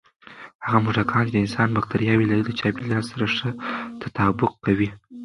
هغه موږکان چې د انسان بکتریاوې لري، د چاپېریال سره ښه تطابق کوي.